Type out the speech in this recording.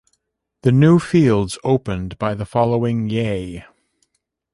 The new fields opened by the following yea.